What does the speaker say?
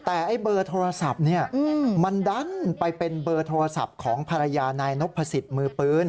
แต่ไอ้เบอร์โทรศัพท์เนี่ยมันดันไปเป็นเบอร์โทรศัพท์ของภรรยานายนพสิทธิ์มือปืน